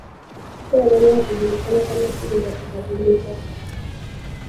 siku ya nane hujulikana kama siku za kubadilika